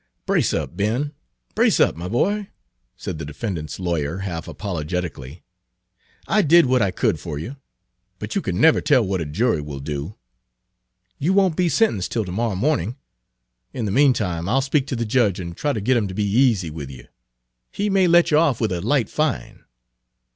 "Brace up, Ben, brace up, my boy," said the defendant's lawyer, half apologetically. "I did what I could for you, but you can never tell what a jury will do. You won't be sentenced till to morrow morning. In the meantime I'll speak to the judge and try to get him to be easy with you. He may let you off with a light fine."